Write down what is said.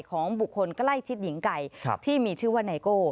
ของบุคคลใกล้ชิดหญิงไก่ที่มีชื่อว่าไนโก้